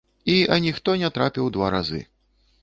І аніхто не трапіў два разы.